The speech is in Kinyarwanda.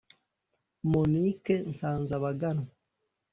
Monique Nsanzabaganwa